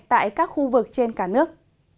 tại các khu vực trên cả nước